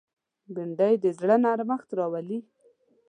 بېنډۍ د زړه نرمښت راولي